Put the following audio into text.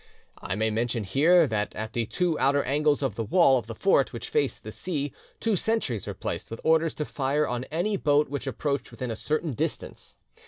I may mention here that at the two outer angles of the wall of the fort which faced the sea two sentries were placed, with orders to fire on any boat which approached within a certain distance.